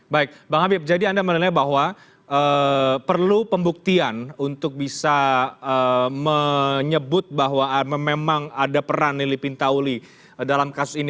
baik bang habib jadi anda menilai bahwa perlu pembuktian untuk bisa menyebut bahwa memang ada peran lili pintauli dalam kasus ini